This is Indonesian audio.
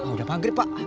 udah maghrib pak